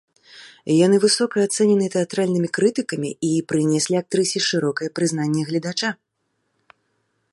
Яны высока ацэнены тэатральнымі крытыкамі і прынеслі актрысе шырокае прызнанне гледача.